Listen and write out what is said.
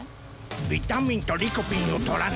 ビタミンとリコピンをとらないとな！